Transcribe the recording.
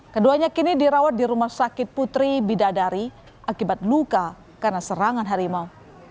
keduanya kini dirawat di rumah sakit putri bidadari akibat luka karena serangan harimau